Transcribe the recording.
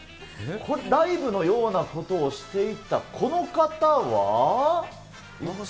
ライブのようなことをしていた、この方は？